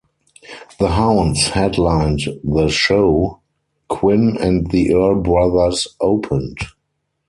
The Hounds headlined the show; Quin and the Earl Brothers opened.